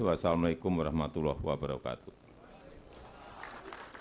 wassalamu alaikum warahmatullahi wabarakatuh